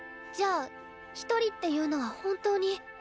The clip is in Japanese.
じゃあ一人っていうのは本当に。